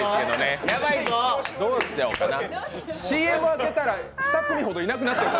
ＣＭ明けたら２組ほどいなくなってる。